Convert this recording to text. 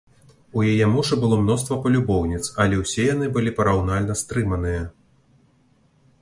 У яе мужа было мноства палюбоўніц, але ўсе яны былі параўнальна стрыманыя.